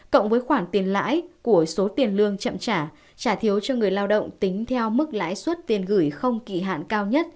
cộng với khoản tiền lãi của số tiền lương chậm trả thiếu cho người lao động tính theo mức lãi suất tiền gửi không kỳ hạn cao nhất